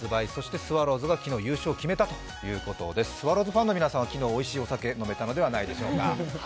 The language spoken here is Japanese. スワローズファンの皆さんは昨日おいしいお酒が飲めたのではないでしょうか。